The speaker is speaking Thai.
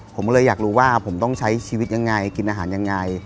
ผมก็เลยอยากรู้ว่าผมต้องใช้ชีวิตยังไงกินอาหารยังไง